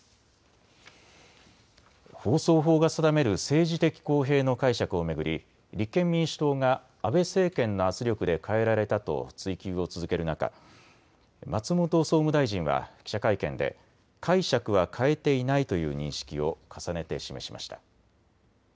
放送法が定める政治的公平の解釈を巡り立憲民主党が安倍政権の圧力で変えられたと追及を続ける中、松本総務大臣は記者会見で解釈は変えていないという認識を重ねて示しました。